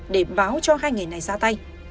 để báo cho hai người này ra tay